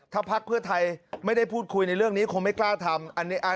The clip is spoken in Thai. ถ้าพักเพื่อไทยไม่ได้พูดคุยในเรื่องนี้คงไม่กล้าทำ